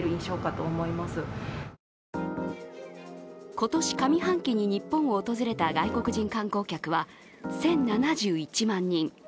今年上半期に日本を訪れた外国人観光客は１０７１万人。